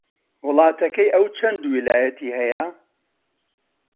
وڵاتەکەی ئەو چەند ویلایەتی هەیە؟